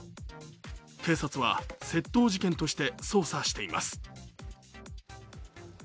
警察は窃盗事件として捜査しています。